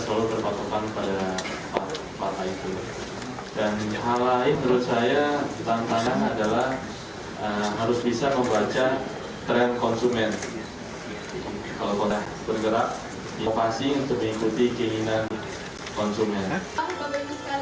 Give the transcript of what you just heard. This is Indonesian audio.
kalau sudah bergerak diopasi untuk mengikuti keinginan konsumen